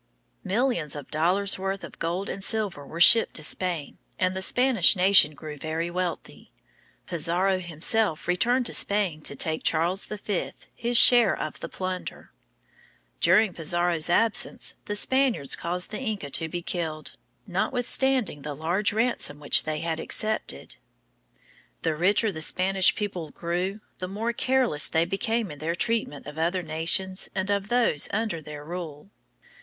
Millions of dollars' worth of gold and silver were shipped to Spain, and the Spanish nation grew very wealthy. Pizarro himself returned to Spain to take Charles V. his share of the plunder. During Pizarro's absence the Spaniards caused the Inca to be killed, notwithstanding the large ransom which they had accepted. The richer the Spanish people grew, the more careless they became in their treatment of other nations and of those under their rule.